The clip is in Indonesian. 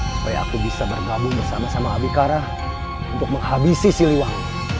supaya aku bisa bergabung bersama sama abikara untuk menghabisi siliwang